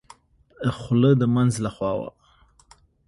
خوله د مينځ له خوا وه.